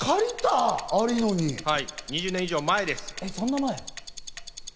２０年以上前です。